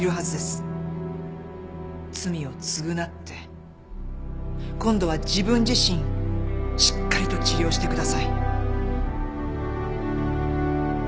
罪を償って今度は自分自身しっかりと治療してください。